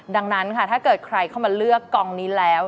ดังนั้นค่ะถ้าเกิดใครเข้ามาเลือกกองนี้แล้ว